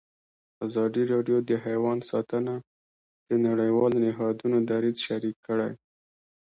ازادي راډیو د حیوان ساتنه د نړیوالو نهادونو دریځ شریک کړی.